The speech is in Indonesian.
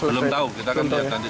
belum tahu kita akan lihat nanti